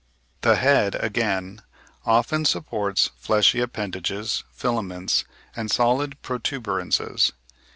The head, again, often supports fleshy appendages, filaments, and solid protuberances.